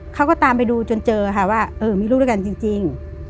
เขาก็ตามไปดูจนเจอค่ะว่าเออมีลูกด้วยกันจริง